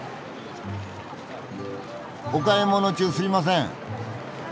お買い物中すみません。